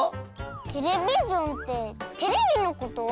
テレビジョンってテレビのこと？